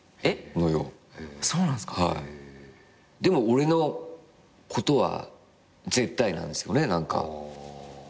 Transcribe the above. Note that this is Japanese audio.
でも俺のことは絶対なんですよね何か。